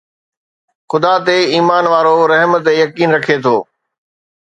خدا تي ايمان وارو رحم تي يقين رکي ٿو